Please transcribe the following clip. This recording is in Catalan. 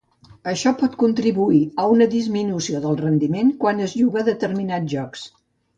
Això pot contribuir a una disminució del rendiment quan es juga determinats jocs.